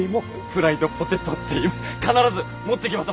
フライドポテトっていいます。